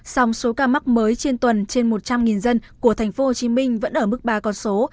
song số ca mắc mới trên tuần trên một trăm linh dân của thành phố hồ chí minh vẫn ở mức ba con số